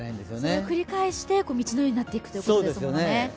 それを繰り返して、道のようになっていくということですもんね。